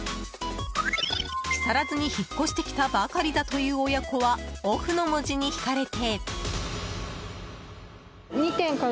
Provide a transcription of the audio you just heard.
木更津に引っ越してきたばかりだという親子は「ＯＦＦ」の文字に引かれて。